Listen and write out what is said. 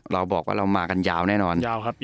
เราบอกว่าเรามากันยาวแน่นอน